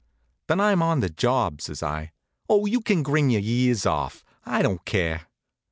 "Then I'm on the job," says I. "Oh, you can grin your ears off, I don't care."